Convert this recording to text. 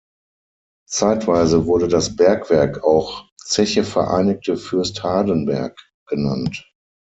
Zeitweise wurde das Bergwerk auch "Zeche Vereinigte Fürst Hardenberg" genannt.